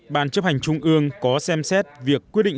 bàn chấp hành trung ương có xem xét việc quy định